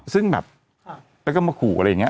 ซึ่งแบบแล้วก็มาขู่อะไรอย่างนี้